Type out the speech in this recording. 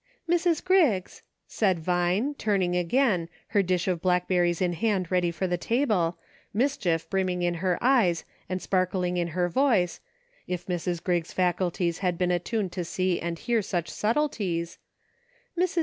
" Mrs. Griggs," said Vine, t"rning again, her dish of blackberries in hand ready for the table, mis chief brimming in her eyes and sparkling in her voice, — if Mrs. Griggs' faculties had been at tuned to see and hear such subtleties, —" Mrs. A GREAT MANY "LITTLE THINGS."